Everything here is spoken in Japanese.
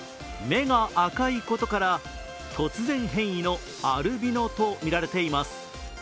目が赤いことから、突然変異のアルビノとみられています。